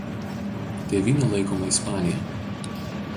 Tėvyne laikoma Ispanija.